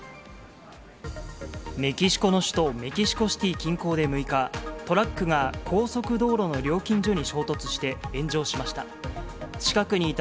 メキシコの首都メキシコシティー近郊で６日、トラックが高速道路の料金所に衝突して、炎上しました。